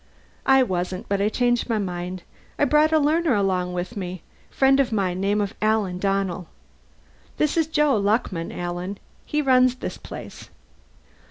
"I wasn't, but I changed my mind. I brought a learner along with me friend of mine name of Alan Donnell. This is Joe Luckman, Alan. He runs this place."